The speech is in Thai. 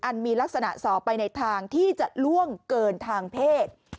มีลักษณะสอบไปในทางที่จะล่วงเกินทางเพศ